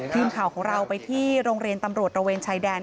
ทีมข่าวของเราไปที่โรงเรียนตำรวจระเวนชายแดน